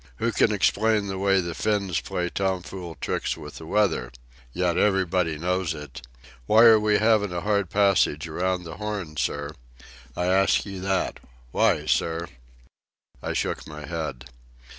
"Who can explain the way the Finns plays tom fool tricks with the weather? Yet everybody knows it. Why are we havin' a hard passage around the Horn, sir? I ask you that. Why, sir?" I shook my head.